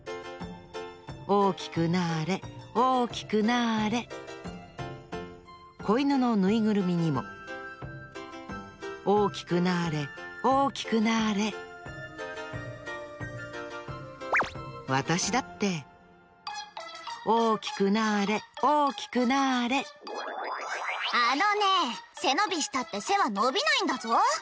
大きくなれ大きくなれこいぬのぬいぐるみにも大きくなれ大きくなれわたしだって大きくなれ大きくなれあのねえせのびしたってせはのびないんだぞ。